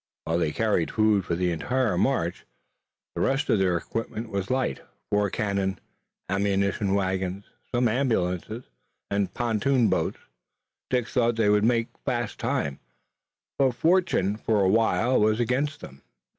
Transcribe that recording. While they carried food for the entire march, the rest of their equipment was light, four cannon, ammunition wagons, some ambulances and pontoon boats. Dick thought they would make fast time, but fortune for awhile was against them.